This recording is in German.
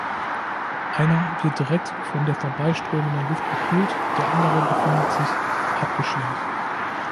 Einer wird direkt von der vorbei strömenden Luft gekühlt, der andere befindet sich abgeschirmt.